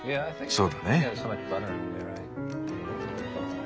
そうだね。